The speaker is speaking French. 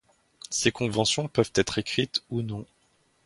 Ces conventions peuvent être écrites ou non.